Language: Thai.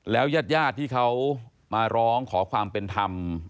ยาดที่เขามาร้องขอความเป็นธรรม